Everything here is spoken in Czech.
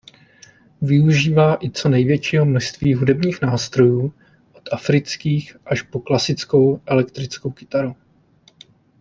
Využívá i co největšího množství hudebních nástrojů od afrických až po klasickou elektrickou kytaru.